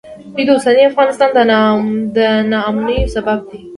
دوی د اوسني افغانستان د ناامنیو سبب دي